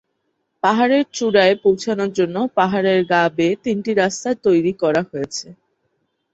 পাহাড়েরচূড়ায় পৌঁছানোর জন্য পাহাড়ের গা বেয়ে তিনটি রাস্তা তৈরি করা হয়েছে।